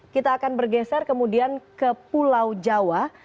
kita akan bergeser kemudian ke pulau jawa